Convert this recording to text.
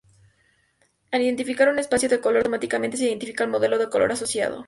Al identificar un espacio de color, automáticamente se identifica el modelo de color asociado.